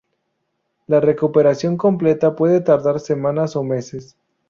La recuperación completa puede tardar semanas o meses.